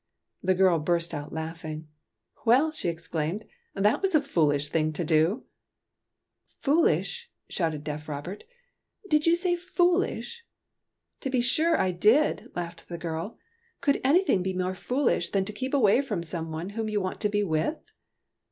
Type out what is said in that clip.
The girl burst out laughing. " Well," she exclaimed, '' that was a foolish thing to do !"" Foolish ?" shouted deaf Robert. '' Did you S2iy foolzs/if'' " To be sure I did," laughed the girl. " Could anything be more foolish than to keep away from some one whom you want to be with